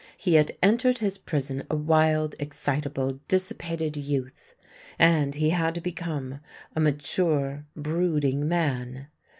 He had entered his prison a wild, excitable, dissipated youth, and he had become a mature, brooding man.